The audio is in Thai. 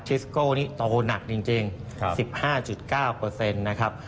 ซิสโก้นี่โตหนักจริง๑๕๙นะครับ